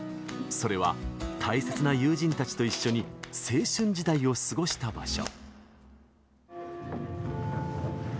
それは、大切な友人たちと一緒に青春時代を過ごした場所。